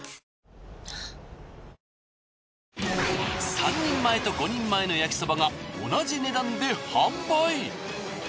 ３人前と５人前の焼きそばが同じ値段で販売。